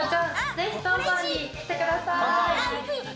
ぜひ、東東に来てください。